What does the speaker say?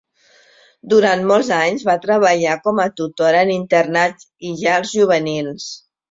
Durant molts anys va treballar com a tutora en internats i llars juvenils.